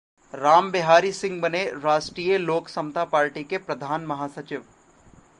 राम बिहारी सिंह बने राष्ट्रीय लोक समता पार्टी के प्रधान महासचिव